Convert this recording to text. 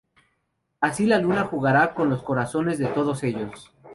Así, la luna jugará con los corazones de todos ellos.